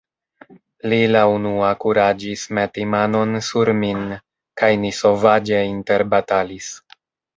Li la unua kuraĝis meti manon sur min, kaj ni sovaĝe interbatalis.